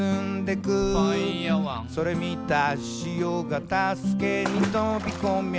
「それ見たしおが助けにとびこみゃ」